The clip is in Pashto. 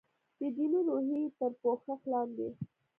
د دیني روحیې تر پوښښ لاندې.